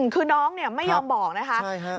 คือน้องไม่ยอมบอกนะคะ